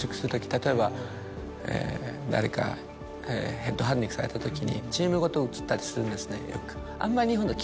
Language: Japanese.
例えば誰かヘッドハンティングされたときにチームごと移ったりするんですねよく。